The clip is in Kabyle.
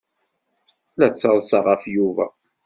La ttaḍsaɣ ɣef Yuba.